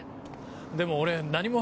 でも俺何も。